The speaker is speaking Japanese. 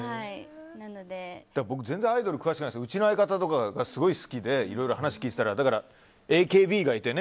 僕、全然アイドル詳しくないんですけどうちの相方とか、すごい好きでいろいろ話を聞いてたらＡＫＢがいて。